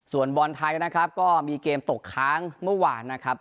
ส่วนบอลไทยนะครับก็มีเกมตกค้างเมื่อวานนะครับ